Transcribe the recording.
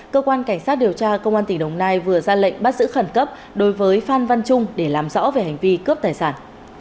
cơ quan cảnh sát điều tra công an tỉnh đồng nai vừa ra lệnh bắt giữ khẩn cấp đối với phan văn trung để làm rõ về hành vi cướp tài sản